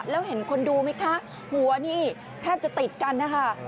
แล้วเห็นคนดูไหมคะหัวนี่แทบจะติดกันนะคะ